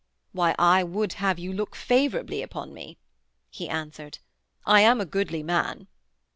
'Why, I would have you look favourably upon me,' he answered. 'I am a goodly man.'